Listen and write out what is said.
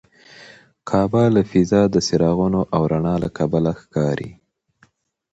کعبه له فضا د څراغونو او رڼا له کبله ښکاري.